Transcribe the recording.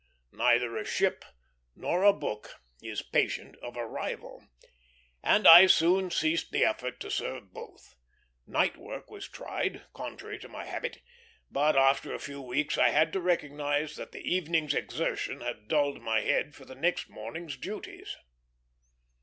Neither a ship nor a book is patient of a rival, and I soon ceased the effort to serve both. Night work was tried, contrary to my habit; but after a few weeks I had to recognize that the evening's exertion had dulled my head for the next morning's duties.